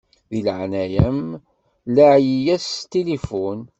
Di leɛnaya-m laɛi-yas s tilifun.